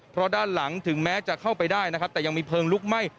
เพราะด้านหลังถึงแม้จะเข้าไปได้นะครับแต่ยังมีเพลิงลุกไหม้